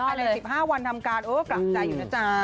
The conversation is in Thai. อันดับ๑๕วันทำการเอ๊ะกลับใจอยู่นะจ๊ะ